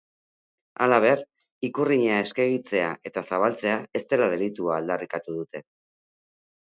Halaber, ikurrina eskegitzea eta zabaltzea ez dela delitua aldarrikatu dute.